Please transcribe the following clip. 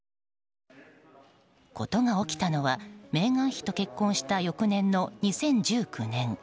事が起きたのは、メーガン妃と結婚した翌年の２０１９年。